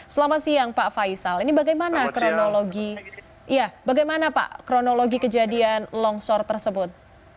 selamat siang pak faisal ini bagaimana pak kronologi kejadian longsor tersebut